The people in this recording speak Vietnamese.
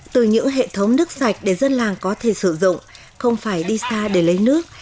từ những hệ thống nước sạch để dân làng có thể sử dụng không phải đi xa để lấy nước